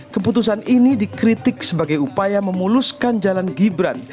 keputusan ini dikritik sebagai upaya memuluskan jalan gibran